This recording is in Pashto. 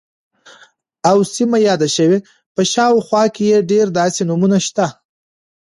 او سیمه یاده شوې، په شاوخوا کې یې ډیر داسې نومونه شته،